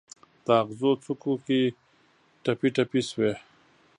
د اغزو څوکو کې ټپي، ټپي شوي